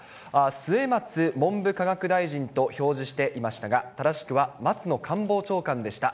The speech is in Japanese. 末松文部科学大臣と表示していましたが、正しくは松野官房長官でした。